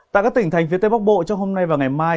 tại các tỉnh thành phía tây bắc bộ trong hôm nay và ngày mai